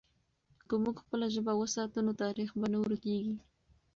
که موږ خپله ژبه وساتو، نو تاریخ به نه ورکېږي.